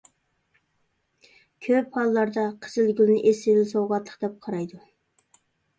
كۆپ ھاللاردا قىزىلگۈلنى ئېسىل سوۋغاتلىق دەپ قارايدۇ.